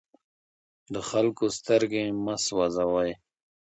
د خلکو سترګې مه سوځوئ.